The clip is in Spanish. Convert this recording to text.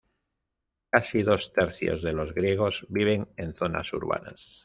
Casi dos tercios de los griegos viven en zonas urbanas.